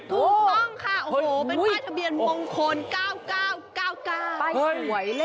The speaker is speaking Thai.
ถูกต้องค่ะโอ้โหเป็นป้ายทะเบียนมงคล๙๙๙๙๙๙